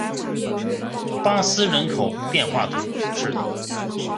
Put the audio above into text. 巴斯人口变化图示